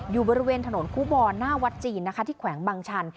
อยู่บริเวณถนนคู่บอนหน้าวัดจีนนะคะที่แขวงบางชัน